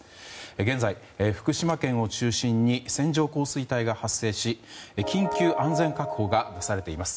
現在、福島県を中心に線状降水帯が発生し緊急安全確保が出されています。